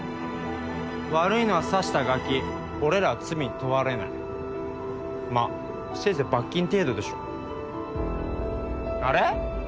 悪いのは刺したガキ俺らは罪に問われないまぁせいぜい罰金程度でしょあれ？